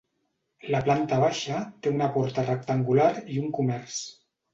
La planta baixa té una porta rectangular i un comerç.